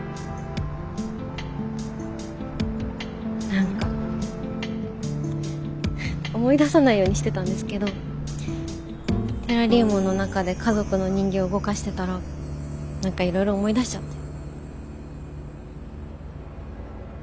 何か思い出さないようにしてたんですけどテラリウムの中で家族の人形動かしてたら何かいろいろ思い出しちゃって。